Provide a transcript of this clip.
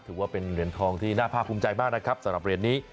ถือว่าเป็นเหรียญทองที่น่าภาคภูมิใจมากนะครับสำหรับเหรียญนี้